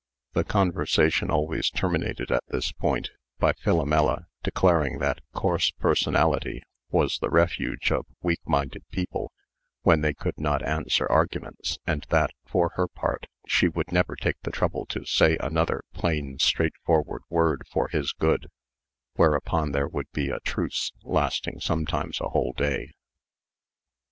The conversation always terminated at this point, by Philomela declaring that coarse personality was the refuge of weak minded people when they could not answer arguments, and that, for her part, she would never take the trouble to say another plain, straightforward word for his good; whereupon there would be a truce, lasting sometimes a whole day.